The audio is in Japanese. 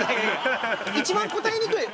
一番答えにくい。